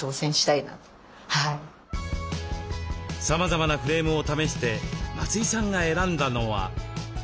さまざまなフレームを試して松井さんが選んだのは。